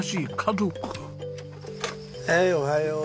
はいおはよう。